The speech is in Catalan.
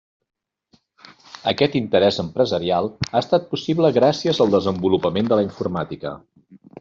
Aquest interès empresarial ha estat possible gràcies al desenvolupament de la informàtica.